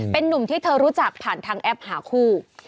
เป็นนุ่มที่เธอรู้จักผ่านทางแอปหาคู่